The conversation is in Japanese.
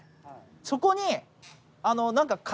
そこに。